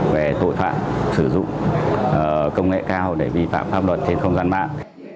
về tội phạm sử dụng công nghệ cao để vi phạm pháp luật trên không gian mạng